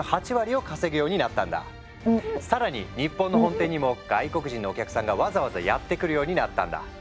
更に日本の本店にも外国人のお客さんがわざわざやって来るようになったんだ。